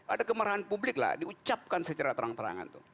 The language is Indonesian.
ada kemarahan publik lah diucapkan secara terang terangan